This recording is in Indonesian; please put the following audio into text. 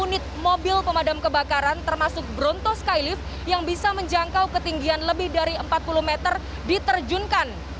dua puluh unit mobil pemadam kebakaran termasuk bronto skylift yang bisa menjangkau ketinggian lebih dari empat puluh meter diterjunkan